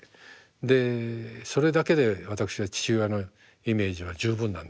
でそれだけで私は父親のイメージは十分なんです。